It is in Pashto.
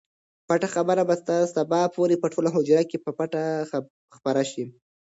پټه خبره به تر سبا پورې په ټوله حجره کې په پټه خپره شي.